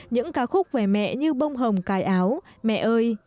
những ca khúc về mẹ như bông hồng cài áo mẹ ơi